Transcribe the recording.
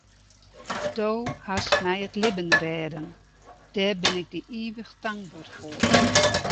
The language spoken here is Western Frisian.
Do hast my it libben rêden, dêr bin ik dy ivich tankber foar.